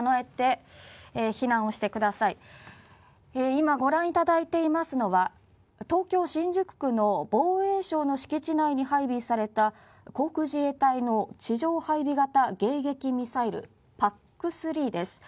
今、ご覧いただいていますのは、東京・新宿区の防衛庁の敷地内に配備された航空自衛隊の地上配備型迎撃ミサイルＰＡＣ３です。